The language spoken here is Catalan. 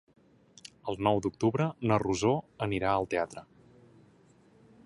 El nou d'octubre na Rosó anirà al teatre.